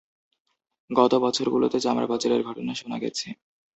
গত বছরগুলোতে চামড়া পাচারের ঘটনা শোনা গেছে।